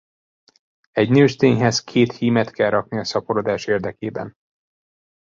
Egy nőstényhez két hímet kell rakni a szaporodás érdekében.